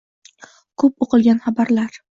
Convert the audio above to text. Ko‘p o‘qilgan xabarlar